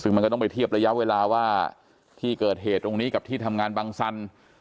ซึ่งมันก็ต้องไปเทียบระยะเวลาว่าที่เกิดเหตุตรงนี้กับที่ทำงานบังสัน